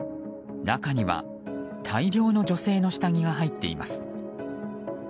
中には大量の女性の下着が入っています。